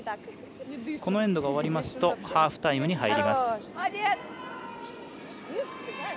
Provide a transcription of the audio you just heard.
このエンドが終わりますとハーフタイムに入ります。